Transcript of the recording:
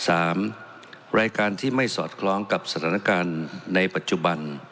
รายการที่ไม่สอดคล้องกับสถานการณ์ในปัจจุบัน